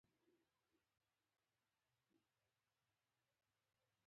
هغه هلته ده